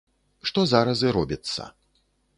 Што зараз і робіцца.